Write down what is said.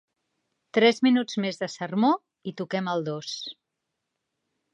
Tres minuts més de sermó i toquem el dos.